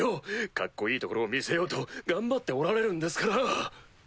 カッコいいところを見せようと頑張っておられるんですから！